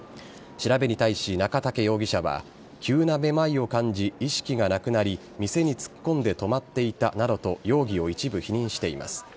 調べに対し中武容疑者は急な目まいを感じ意識がなくなり店に突っ込んで止まっていたなどと容疑を一部否認しています。